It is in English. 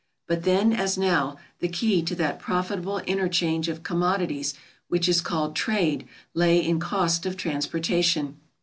But then, as now, the key to that profitable interchange of commodities which is called trade, lay in cost of transporta tion.